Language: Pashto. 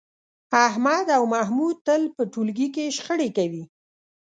احمد او محمود تل په ټولگي کې شخړې کوي